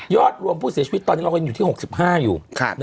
รวมผู้เสียชีวิตตอนนี้เรายังอยู่ที่๖๕อยู่